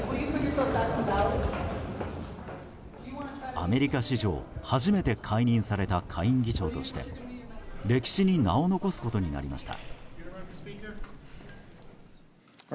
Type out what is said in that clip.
アメリカ史上初めて解任された下院議長として歴史に名を残すことになりました。